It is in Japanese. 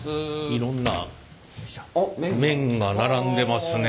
いろんな麺が並んでますね。